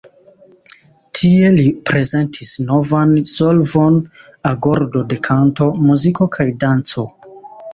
Tie li prezentis novan solvon: agordo de kanto, muziko kaj danco.